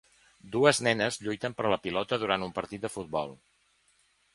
Dues nenes lluiten per la pilota durant un partit de futbol.